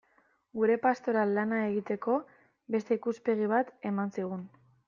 Gure pastoral lana egiteko beste ikuspegi bat eman zigun.